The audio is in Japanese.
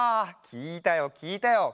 きいたよきいたよ。